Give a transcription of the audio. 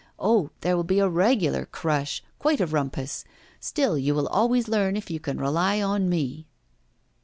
Oh! there will be a regular crush, quite a rumpus! Still, you will always learn if you can rely on me.